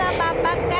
bapak tak apa apa